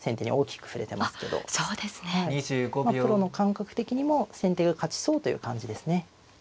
まあプロの感覚的にも先手が勝ちそうという感じですね。